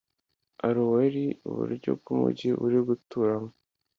aroweri e iburyo bw umugi uri guturamo